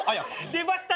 出ました